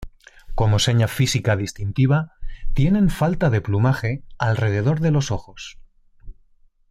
Como seña física distintiva tienen falta de plumaje alrededor de los ojos.